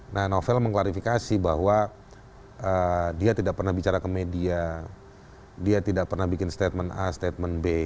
nah novel mengklarifikasi bahwa dia tidak pernah bicara ke media dia tidak pernah bikin statement a statement b